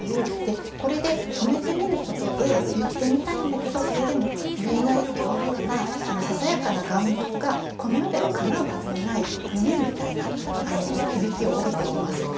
これで止めてみることで「言ってみたいんだけどそれでも言えない」というようなささやかな願望がこの世ではかなうはずのない夢みたいな響きを帯びてきます。